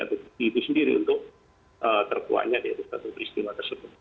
atau bukti itu sendiri untuk terkuatnya di atas peristiwa tersebut